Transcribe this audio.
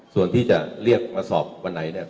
ส่วนที่จะเรียกมาสอบวันไหนเนี่ย